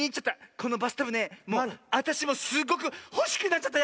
このバスタブねあたしもすっごくほしくなっちゃった